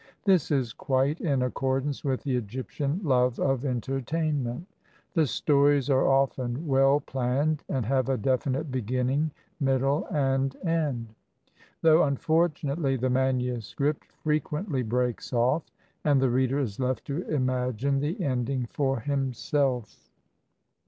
This is quite in accordance with the Egyptian love of entertainment. The stories are often well planned, and have a definite beginning, middle, and end — though, unfortunately, the manuscript frequently breaks off, and the reader is left to imagine the ending for himself.